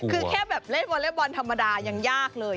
คือแค่แบบเล่นวอเล็กบอลธรรมดายังยากเลย